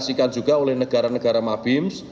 diperolehkan juga oleh negara negara mabim